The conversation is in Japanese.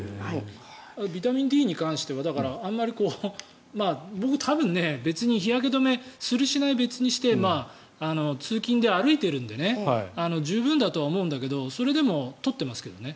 ビタミンＤに関しては僕多分、別に日焼け止めをする、しないは別にして通勤で歩いてるので十分だと思うんだけどそれでも取っていますけどね。